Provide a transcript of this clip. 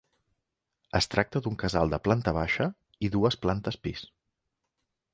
Es tracta d'un casal de planta baixa i dues plantes pis.